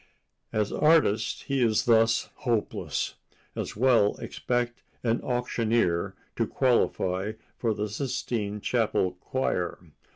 As artist he is thus hopeless; as well expect an auctioneer to qualify for the Sistine Chapel choir.